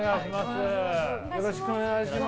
よろしくお願いします。